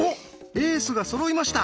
エースがそろいました。